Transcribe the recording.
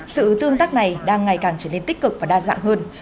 sự tương tác này đang ngày càng trở nên tích cực và đa dạng hơn